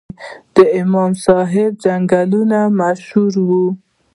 د امام صاحب ځنګلونه مشهور وو